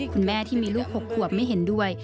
คุณแม่ที่มีลูก๖ขวบไม่เห็นด้วย